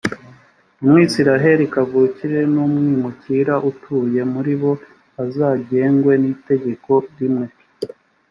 umwisirayeli kavukire n’umwimukira utuye muri bo bazagengwe n’itegeko rimwe